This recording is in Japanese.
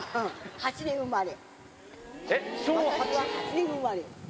８年生まれ。